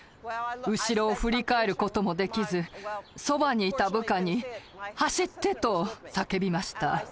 後ろを振り返る事もできずそばにいた部下に「走って！」と叫びました。